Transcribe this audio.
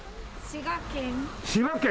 滋賀県。